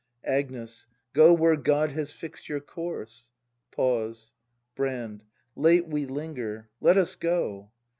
Agnes. Go where God has fix'd your course. [Pause. Brand. Late we linger; let us go.